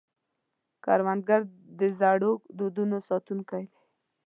کروندګر د زړو دودونو ساتونکی دی